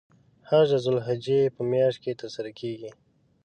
حج د ذوالحجې په میاشت کې تر سره کیږی.